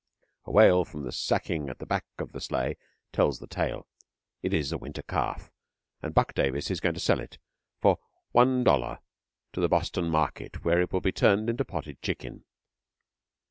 A wail from the sacking at the back of the sleigh tells the tale. It is a winter calf, and Buck Davis is going to sell it for one dollar to the Boston Market where it will be turned into potted chicken.